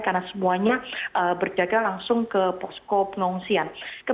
karena semuanya berjaga langsung ke posko pengungsian